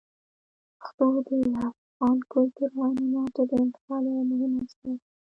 پښتو د افغان کلتور او عنعناتو د انتقال یوه مهمه وسیله ده.